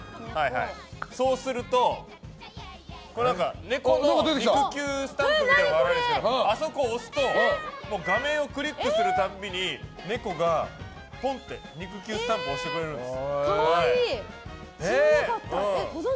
そうすると、猫の肉球スタンプみたいなのがあってあそこを押すと画面をクリックするたびに猫がポンって肉球スタンプを押してくれるんです。